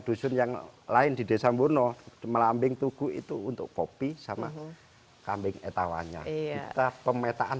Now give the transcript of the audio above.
dusun yang lain di desa murno melambing tugu itu untuk kopi sama kambing etawanya kita pemetaan